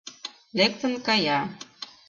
Лектын кая...